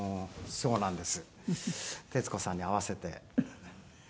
そうなんです。